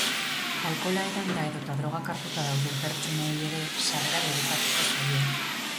Alkohola edanda edota drogak hartuta dauden pertsonei ere sarrera debekatuko zaie.